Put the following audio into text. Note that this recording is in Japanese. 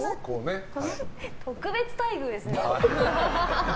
特別待遇ですね。